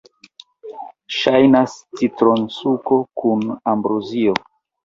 Ŝajnas citronsuko kun ambrozio.